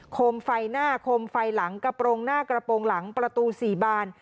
มไฟหน้าคมไฟหลังกระโปรงหน้ากระโปรงหลังประตู๔บาน